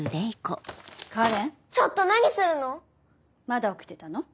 ちょっと何するの⁉まだ起きてたの？